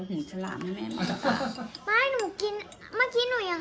มันค่าตายมามิกินข้าก่อนแล้ว